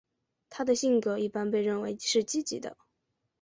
她的性格一般被认为是积极的。